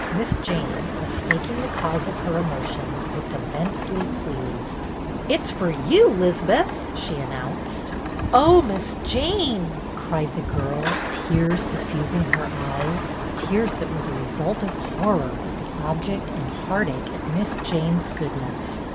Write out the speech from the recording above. Miss Jane, mistaking the cause of her emotion, looked immensely pleased. " It 's for you, 'Lizbeth," she announced. " Oh, Miss Jane !" cried the girl, tears suffusing her eyes, tears that were the result of horror at the object and heart ache at Miss Jane's goodness.